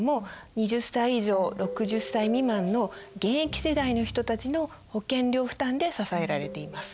２０歳以上６０歳未満の現役世代の人たちの保険料負担で支えられています。